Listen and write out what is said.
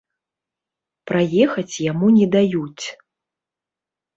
Праехаць яму не даюць.